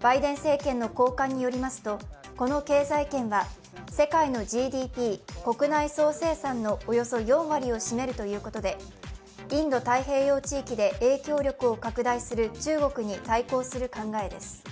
バイデン政権の高官によりますとこの経済圏は世界のＧＤＰ＝国内総生産のおよそ４割を占めるということでインド太平洋地域で影響力を拡大する中国に対抗する考えです。